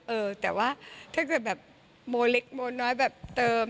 เออแต่ว่าถ้าเกิดแบบโมเล็กโมน้อยแบบเติม